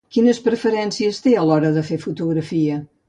Quines preferències té a l'hora de fer fotografia?